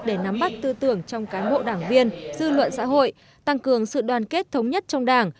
để nắm bắt tư tưởng trong cán bộ đảng viên dư luận xã hội tăng cường sự đoàn kết thống nhất trong đảng